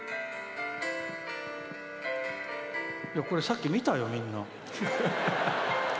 これ、さっき見たよ、みんな。